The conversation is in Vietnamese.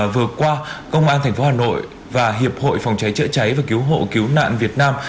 vừa qua công an tp hà nội và hiệp hội phòng cháy chữa cháy và cứu hộ cứu nạn việt nam